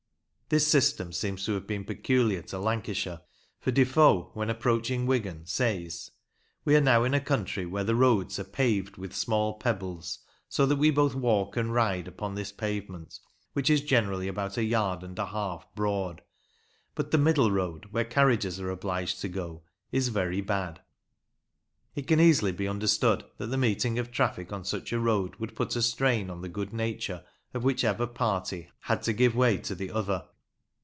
This system seems to have been peculiar to Lancashire, for Defoe, when approaching Wigan, says : We are now in a country where the roads are paved with small pebbles, so that we both walk and ride upon this pavement, which is generally about a yard and a half broad. But the middle road, where carriages are obliged to go, is very bad. It can easily be understood that the meeting of traffic on such a road would put a strain on the good nature of whichever party had to give way to the other.